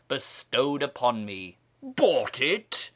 bestowed upon me." " Bought it